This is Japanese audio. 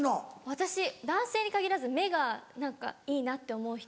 私男性に限らず目が何かいいなって思う人。